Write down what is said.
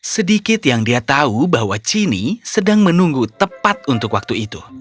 sedikit yang dia tahu bahwa chine sedang menunggu tepat untuk waktu itu